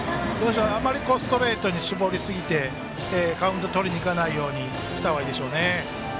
あまりストレートに絞りすぎてカウント取りにいかないようにした方がいいでしょうね。